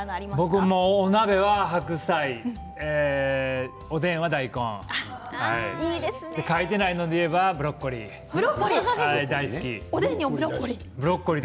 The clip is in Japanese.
僕もお鍋は白菜おでんは大根書いていないので言えばおでんにブロッコリー？